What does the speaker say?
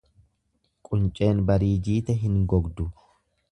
Qunceen barii jiite hin gogdu.